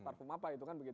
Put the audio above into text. parfum apa itu kan begitu